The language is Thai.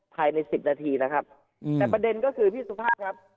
ภายในสิบนาทีนะครับแต่ประเด็นก็คือพี่สุภาพครับ